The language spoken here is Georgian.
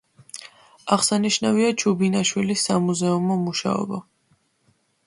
აღსანიშნავია ჩუბინაშვილის სამუზეუმო მუშაობა.